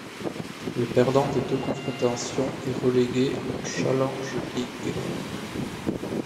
Le perdant des deux confrontations est relégué en Challenge League.